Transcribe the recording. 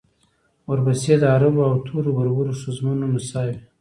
ورپسې د عربو او تورو بربرو ښځمنو نڅاوې.